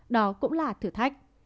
đó cũng là thử thách